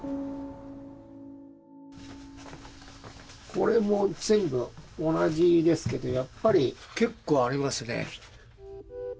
これも全部同じですけどやっぱり結構ありますね。